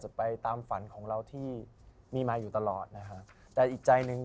ไปตามฝันของเราที่มีมาอยู่ตลอดนะฮะแต่อีกใจหนึ่ง